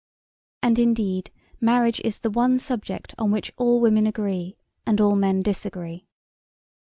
And, indeed, marriage is the one subject on which all women agree and all men disagree.